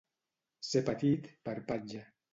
Ser petit per patge.